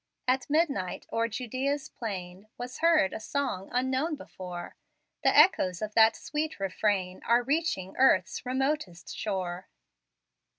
At midnight, o'er Judea's plain Was heard a song unknown before; The echoes of that sweet refrain Are reaching earth's remotest shore.